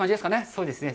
そうですね。